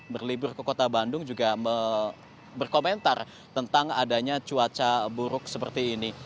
berlibur ke kota bandung juga berkomentar tentang adanya cuaca buruk seperti ini